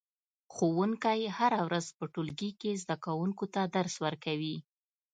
ښوونکی هره ورځ په ټولګي کې زده کوونکو ته درس ورکوي